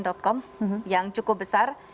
ada cnn com yang cukup besar